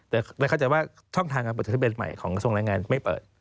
และเขาจะว่าช่องทางการประจับทะเบนใหม่ของกระทรวงรายงานไม่เปิด